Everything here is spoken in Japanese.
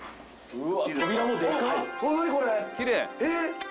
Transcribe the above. うわ！